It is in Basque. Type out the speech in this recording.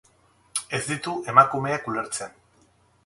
Ez ditu emakumeak ulertzen.